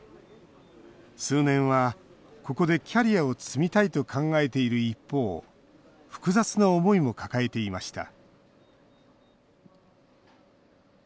数年は、ここでキャリアを積みたいと考えている一方複雑な思いも抱えていました。